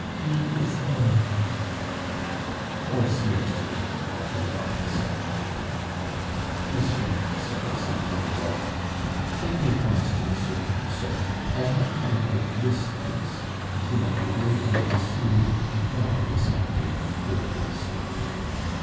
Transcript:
He is dying " "Or seems to be," replied the sergeant. "Monsieur," said Asie to the lawyer, "take me at once to Monsieur Camusot; I have come about this case; and he might be very glad to see me before examining that poor priest."